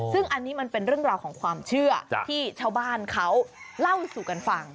ซึ่งอันนี้มันเป็นเรื่องราวของความเชื่อที่ชาวบ้านเขาเล่าสู่กันฟัง